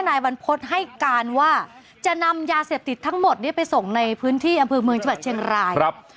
นายบรรพฤษให้การว่าจะนำยาเสพติดทั้งหมดนี้ไปส่งในพื้นที่อำเภอเมืองจังหวัดเชียงรายครับ